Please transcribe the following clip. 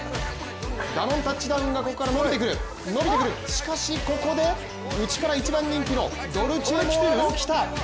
ダノンタッチダウンがここから伸びてくる、伸びてくる、しかし、ここで内から一番人気のドルチェモアが来た。